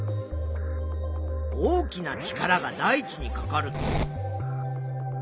大きな力が大地にかかると。